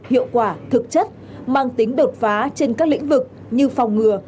hiệu quả thực chất mang tính đột phá trên các lĩnh vực như phòng ngừa